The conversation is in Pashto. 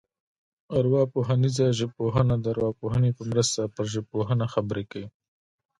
ارواپوهنیزه ژبپوهنه د ارواپوهنې په مرسته پر ژبپوهنه خبرې کوي